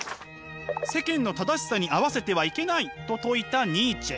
世間の正しさに合わせてはいけないと説いたニーチェ。